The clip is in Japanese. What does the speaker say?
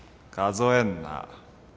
数えんな。